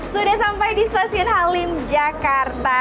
sudah sampai di stasiun halim jakarta